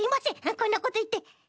こんなこといって。